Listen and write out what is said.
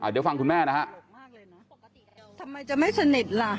เดี๋ยวฟังคุณแม่นะครับ